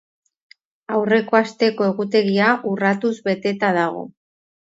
Aurreko asteko egutegia urratuz beteta dago.